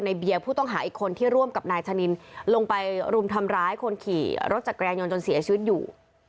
เบียร์ผู้ต้องหาอีกคนที่ร่วมกับนายชะนินลงไปรุมทำร้ายคนขี่รถจักรยานยนต์จนเสียชีวิตอยู่